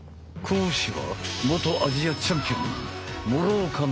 講師は元アジアチャンピオン諸岡奈央。